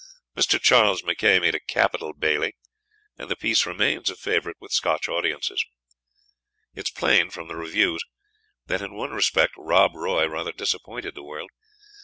Mr. Charles Mackay made a capital Bailie, and the piece remains a favourite with Scotch audiences. It is plain, from the reviews, that in one respect "Rob Roy" rather disappointed the world.